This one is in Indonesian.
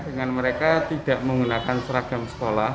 dengan mereka tidak menggunakan seragam sekolah